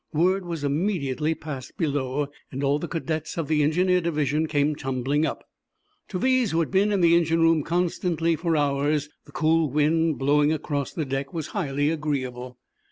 Word was immediately passed below, and all the cadets of the engineer division came tumbling up. To these, who had been in the engine room constantly for hours, the cool wind blowing across the deck was highly agreeable.